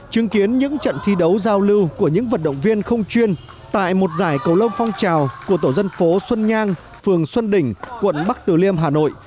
chứng kiến những trận thi đấu giao lưu của những vận động viên không chuyên tại một giải cầu lông phong trào của tổ dân phố xuân nhang phường xuân đỉnh quận bắc từ liêm hà nội